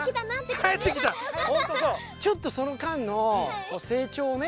ちょっとその間の成長をね